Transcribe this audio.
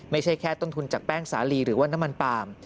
ไม่ใช่แค่ต้นทุนจากแป้งสาลีหรือว่าน้ำมันปาล์ม